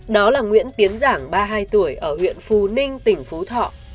đó là nguyễn tiến giảng ba mươi hai tuổi ở huyện phù ninh tỉnh phú thọ